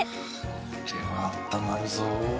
これはあったまるぞ。